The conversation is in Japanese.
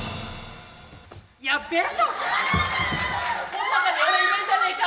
この中に俺いねえんじゃねえか？